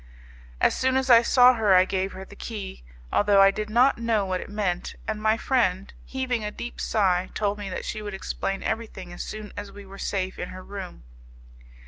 As soon as I saw her, I gave her the key, although I did not know what it meant, and my friend, heaving a deep sigh, told me that she would explain everything as soon as we were safe in her room.